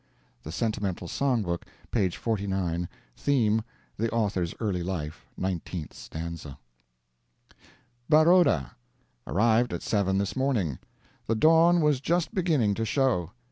["The Sentimental Song Book," p. 49; theme, "The Author's Early Life," 19th stanza.] Barroda. Arrived at 7 this morning. The dawn was just beginning to show.